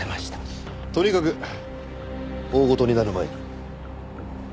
とにかく大事になる前に。